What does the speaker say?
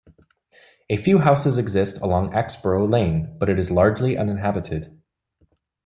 A few houses exist along Axborough lane, but it is largely uninhabited.